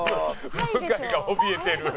向井がおびえてる。